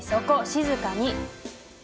静かに。